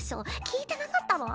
聞いてなかったの？